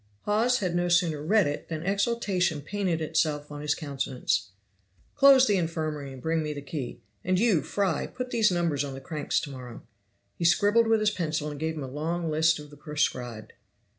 Hawes had no sooner read it than exultation painted itself on his countenance. "Close the infirmary and bring me the key. And you, Fry, put these numbers on the cranks to morrow." He scribbled with his pencil, and gave him a long list of the proscribed.